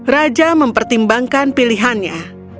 raja mempertimbangkan pilihannya